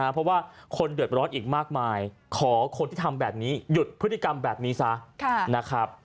เพราะว่าคนเดือดร้อนอีกมากมายขอคนที่ทำแบบนี้หยุดพฤติกรรมแบบนี้ซะนะครับ